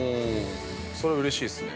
◆それはうれしいっすね。